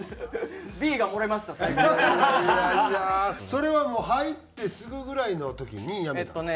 それはもう入ってすぐぐらいの時にやめたの？